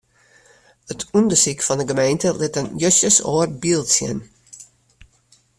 It ûndersyk fan 'e gemeente lit in justjes oar byld sjen.